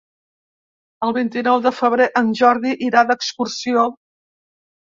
El vint-i-nou de febrer en Jordi irà d'excursió.